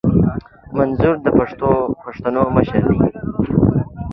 منظور د پښتنو مشر دي